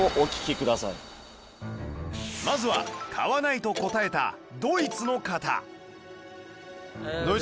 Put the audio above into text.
まずは「買わない」と答えたドイツの方